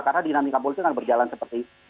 karena dinamika politik akan berjalan seperti ini